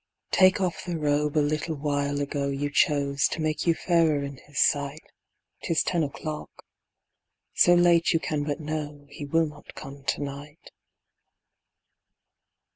Take off the robe a little while ago You chose, to make you fairer in his sight; 'Tis ten o'clock. So late you can but know He will not come to night.